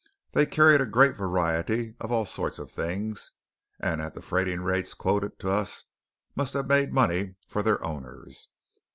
They carried a great variety of all sorts of things; and at the freighting rates quoted to us must have made money for their owners.